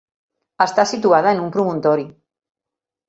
Està situada en un promontori.